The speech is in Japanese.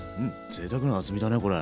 ぜいたくな厚みだねこれ。